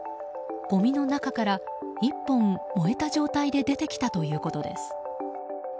ごみの中から１本、燃えた状態で出てきたということです。